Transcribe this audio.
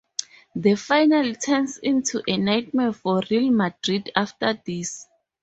The final turns into a nightmare for Real Madrid after this.